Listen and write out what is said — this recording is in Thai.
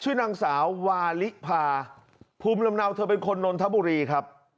ชื่อนางสาววาลิพาภูมิลำเนาเธอเป็นคนนนทบุรีครับ